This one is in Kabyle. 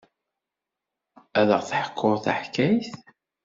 Ad aɣ-d-teḥkuḍ taḥkayt?